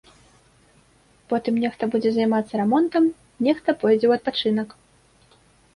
Потым нехта будзе займацца рамонтам, нехта пойдзе ў адпачынак.